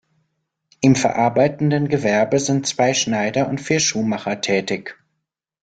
Im verarbeitenden Gewerbe sind zwei Schneider und vier Schuhmacher tätig.